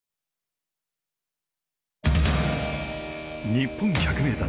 日本百名山